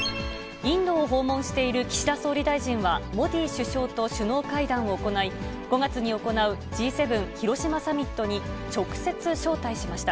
インドを訪問している岸田総理大臣は、モディ首相と首脳会談を行い、５月に行うＧ７広島サミットに直接招待しました。